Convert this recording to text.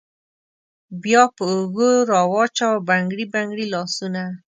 بیا په اوږو راوچوه بنګړي بنګړي لاسونه